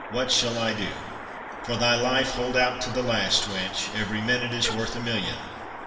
What shall I do?" "For thy life, hold out to the last, wench! Every minute is worth a million."